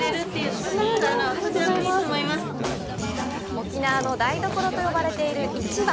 沖縄の台所と呼ばれている市場！